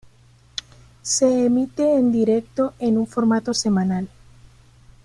Se emite en directo en un formato semanal.